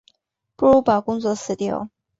不如把工作辞掉